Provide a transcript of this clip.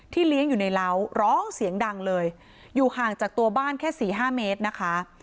เลี้ยงอยู่ในเล้าร้องเสียงดังเลยอยู่ห่างจากตัวบ้านแค่สี่ห้าเมตรนะคะ